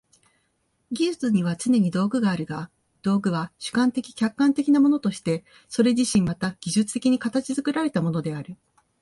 技術にはつねに道具があるが、道具は主観的・客観的なものとしてそれ自身また技術的に形作られたものである。